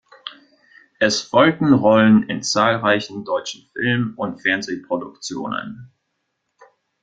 Es folgten Rollen in zahlreichen deutschen Film- und Fernsehproduktionen.